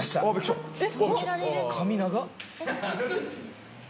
髪長っ！